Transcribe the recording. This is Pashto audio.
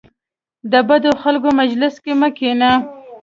د بدو خلکو مجلس کې مه کینه .